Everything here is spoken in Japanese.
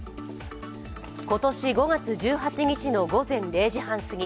今年５月１８日の午前０時半すぎ